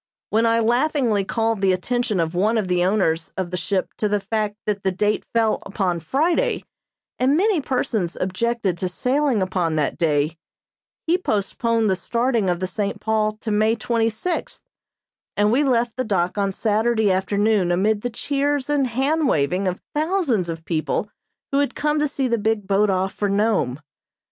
When I laughingly called the attention of one of the owners of the ship to the fact that that date fell upon Friday, and many persons objected to sailing upon that day, he postponed the starting of the "St. Paul" to May twenty sixth, and we left the dock on Saturday afternoon amid the cheers and hand waving of thousands of people who had come to see the big boat off for Nome.